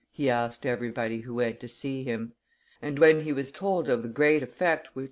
he asked everybody who went to see him; and, when he was told of the great effect which M.